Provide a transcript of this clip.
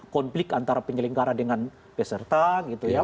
konflik antara penyelenggara dengan peserta gitu ya